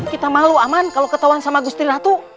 kita malu aman kalo ketauan sama gusti ratu